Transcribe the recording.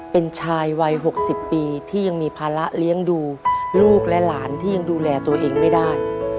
เป็นชายวัย๖๐ปีที่ยังมีภาระเลี้ยงดูลูกและหลานที่ยังดูแลตัวเองไม่ได้